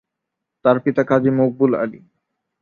তার পিতা কাজী মকবুল আলী।